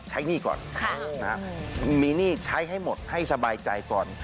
หนี้ก่อนมีหนี้ใช้ให้หมดให้สบายใจก่อน